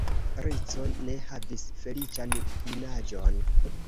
Rico ne havis feliĉan junaĝon.